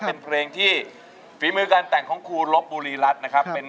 เป็นเพลงที่ฝีมือการแต่งของครูลบบุรีรัฐนะครับ